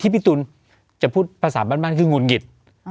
พี่ตูนจะพูดภาษาบ้านคือหุ่นหงิด